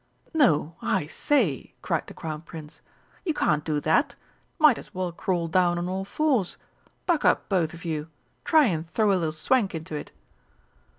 "No, I say," cried the Crown Prince, "you can't do that might as well crawl down on all fours! Buck up, both of you. Try and throw a little swank into it!"